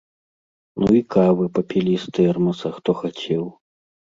Ну і кавы папілі з тэрмаса, хто хацеў.